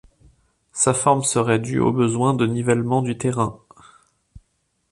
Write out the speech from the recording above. Sa forme serait due au besoin de nivellement du terrain.